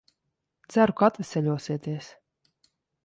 Ceru, ka atveseļosieties.